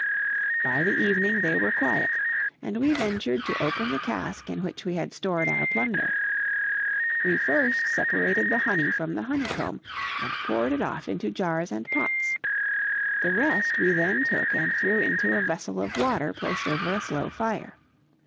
By the evening they were quite quiet, and we ventured to open the cask in which we had stored our plunder. We first separated the honey from the honeycomb and poured it off into jars and pots; the rest we then took and threw into a vessel of water placed over a slow fire.